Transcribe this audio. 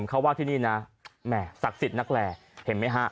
เขาว่าที่นี่นะแหม่ศักดิ์สิทธิ์นักแลเห็นไหมฮะ